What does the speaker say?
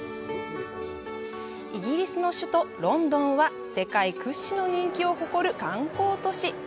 イギリスの首都、ロンドンは世界屈指の人気を誇る観光都市！